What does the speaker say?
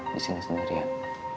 di sini sendirian